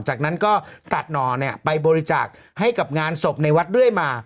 จากนั้นก็ตัดน่อเนี่ยไปบริจาคให้กับงานศพในวัดด้วยมา